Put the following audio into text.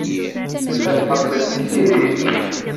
Tella tḥemmel Tiziri.